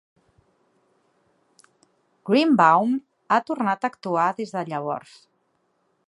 Greenbaum ha tornat a actuar des de llavors.